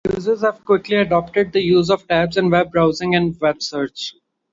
Users have quickly adopted the use of tabs in web browsing and web search.